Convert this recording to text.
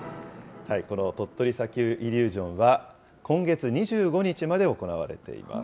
この鳥取砂丘イリュージョンは今月２５日まで行われています。